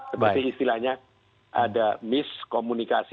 jadi istilahnya ada miskomunikasi